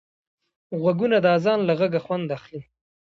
غوږونه د اذان له غږه خوند اخلي